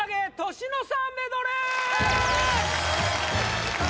年の差メドレー